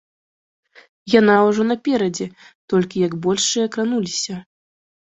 Яна ўжо наперадзе, толькі як большыя крануліся.